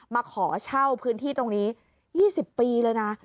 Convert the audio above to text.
มาขอเช่าพื้นที่ตรงนี้๒๐ปีเลยนะ